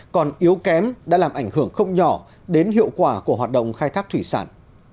còn yếu kém đã làm ảnh hưởng không nhỏ đến hiệu quả của hoạt động khai thác thủy sản